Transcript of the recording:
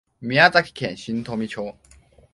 宮崎県新富町